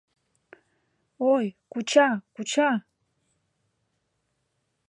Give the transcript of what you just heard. — Ой, куча, куча!